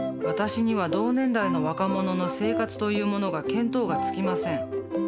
私には同年代の若者の生活というものが見当がつきません。